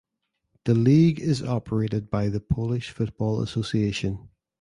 The league is operated by the Polish Football Association.